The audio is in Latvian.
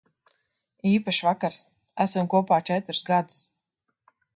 Īpašs vakars. Esam kopā četrus gadus.